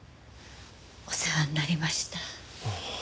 お世話になりました。